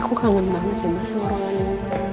aku kangen banget ya mas sama orang lain